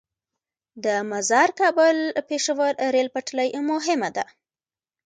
د مزار - کابل - پیښور ریل پټلۍ مهمه ده